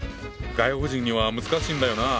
外国人には難しいんだよな。